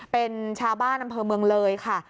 เป็นชาวบ้านอำเภอเมืองเลยค่ะ